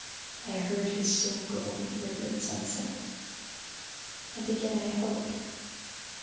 I heard his soul go over the river at sunset. And again I hoped.